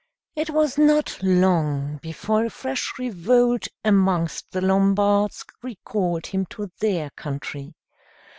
It was not long before a fresh revolt amongst the Lombards recalled him to their country.